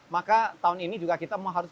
maka tahun ini juga kita harus